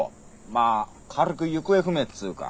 まあ軽く行方不明っつーか。